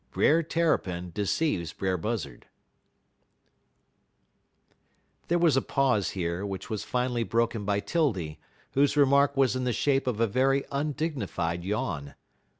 XIV BRER TERRAPIN DECEIVES BRER BUZZARD There was a pause here, which was finally broken by 'Tildy, whose remark was in the shape of a very undignified yawn.